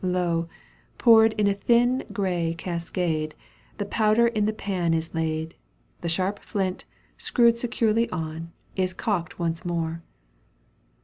Lo ! poured in a thin gray cascade, The powder in the pan is laid, The sharp flint, screwed securely on, Is cocked once more.